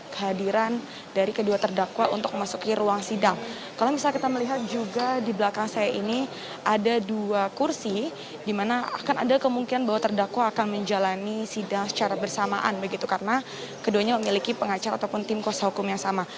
kedua terdakwa akan menjalani sidang secara bersamaan karena keduanya memiliki pengacara ataupun tim kos hukum yang sama